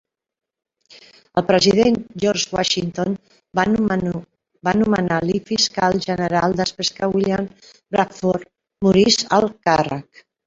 El president George Washington va nomenar Lee Fiscal General després que William Bradford morís al càrrec.